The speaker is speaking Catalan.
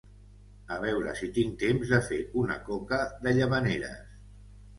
A veure si tinc temps de fer una coca de Llavaneres